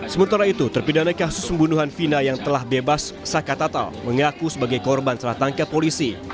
sementara itu terpidana kasus pembunuhan vina yang telah bebas saka tatal mengaku sebagai korban setelah tangkap polisi